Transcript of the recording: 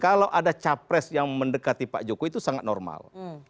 kalau ada capres yang mendekati pak jokowi itu sangat normal